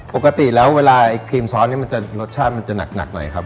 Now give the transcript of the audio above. ปกติแล้วเวลาไอ้ครีมซอสนี่มันจะรสชาติมันจะหนักหน่อยครับ